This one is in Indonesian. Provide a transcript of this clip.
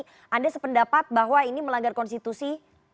apakah anda mengatakan dengan tepat bahwa ini melanggar konstitusi